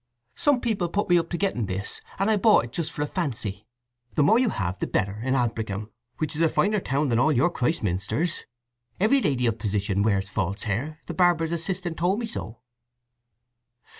Some people put me up to getting this, and I bought it just for a fancy. The more you have the better in Aldbrickham, which is a finer town than all your Christminsters. Every lady of position wears false hair—the barber's assistant told me so."